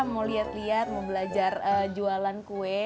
mau liat liat mau belajar jualan kue